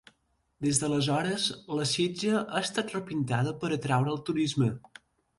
Des d'aleshores, la sitja ha estat repintada per atraure el turisme.